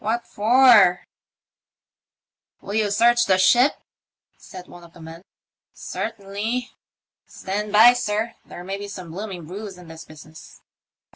what for ?"" Will you search the ship ?" said one of the men. " Certainly." *' Stand by, sir; there may be some bloomin' roose in this business."